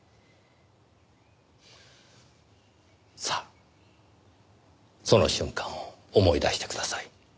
さあその瞬間を思い出してください。